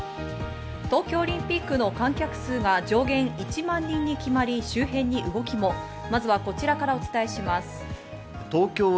東京オリンピックの観客上限１万人に決まり周辺に動きも。